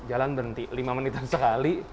jalan berhenti lima menitan sekali